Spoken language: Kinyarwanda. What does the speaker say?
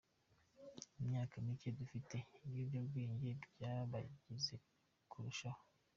Imyaka mike mufite, ibiyobyabwenge byabangiza kurushaho.